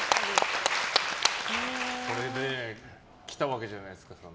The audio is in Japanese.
これで来たわけじゃないですか。